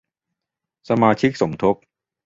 สมาชิกสมทบ